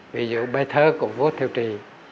ví dụ bài thơ của vua thiệu trì